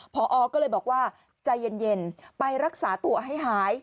พอก็เลยบอกว่าใจเย็นไปรักษาตัวให้หาย